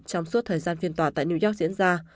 trong suốt thời gian phiên tòa tại new york diễn ra